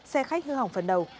xe khách hư hỏng phần đầu